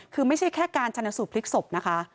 คือไม่ใช่แค่การชนะสูตรพลิกศพนะคะ